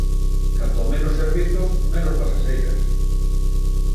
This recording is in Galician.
Cantos menos servizos, menos pasaxeiras.